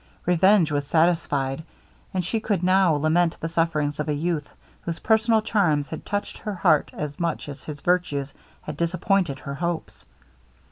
Revenge was satisfied, and she could now lament the sufferings of a youth whose personal charms had touched her heart as much as his virtues had disappointed her hopes.